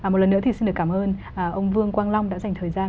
một lần nữa thì xin được cảm ơn ông vương quang long đã dành thời gian